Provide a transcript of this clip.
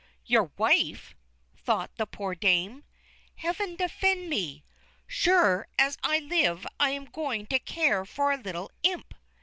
"Your wife!" thought the poor Dame. "Heaven defend me! Sure as I live I am going to care for a little Imp!"